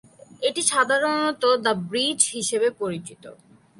এটি সাধারণত "the bridge" হিসাবে পরিচিত।